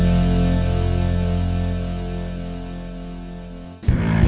saya akan menemukan mereka